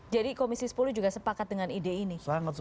jadi komisi sepuluh juga sepakat dengan ide ini